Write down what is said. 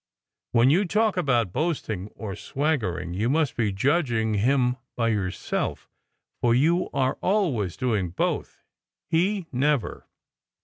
"When you talk about * boasting, or swaggering, you must be judging him by yourself, for you are always doing both, he never.